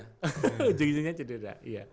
ujung ujungnya cedera iya